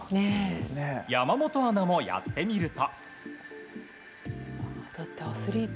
山本アナもやってみると。